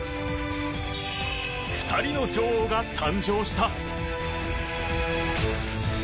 ２人の女王が誕生した。